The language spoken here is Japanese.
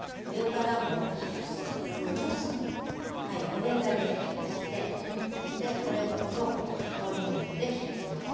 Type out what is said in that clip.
保冷剤で冷やしてこれごと氷水で冷やします。